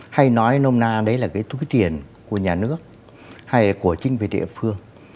hay nói nôm na đấy là cái túi tiền của nhà nước hay là của chính quyền địa phương